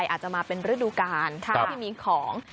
อาจจะมาเป็นฤดูกาลที่มีของ